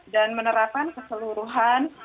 dan menerapkan keseluruhan